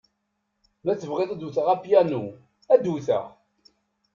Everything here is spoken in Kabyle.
Ma tebɣiḍ ad d-wteɣ apyanu, ad d-wteɣ.